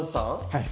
はい。